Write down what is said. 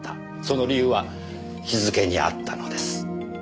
その理由は日付にあったのです。